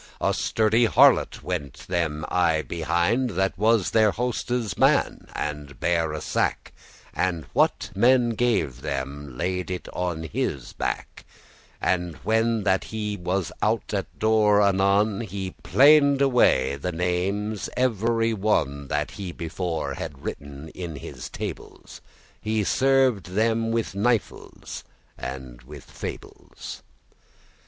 A sturdy harlot* went them aye behind, *manservant <7> That was their hoste's man, and bare a sack, And what men gave them, laid it on his back And when that he was out at door, anon He *planed away* the names every one, *rubbed out* That he before had written in his tables: He served them with nifles* and with fables.